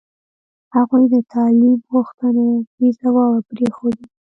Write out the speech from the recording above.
هغوی د تعلیم غوښتنه بې ځوابه پرېښوده.